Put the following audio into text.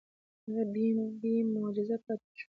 هغه بې معجزې پاتې شوه.